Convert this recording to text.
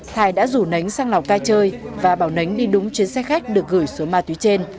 thái đã rủ nén sang lào cai chơi và bảo nánh đi đúng chuyến xe khách được gửi số ma túy trên